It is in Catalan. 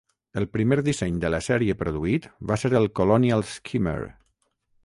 El primer disseny de la sèrie produït va ser el Colonial Skimmer.